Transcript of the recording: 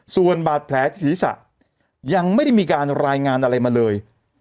ส่วนบาดแผลที่ศีรษะยังไม่ได้มีการรายงานอะไรมาเลย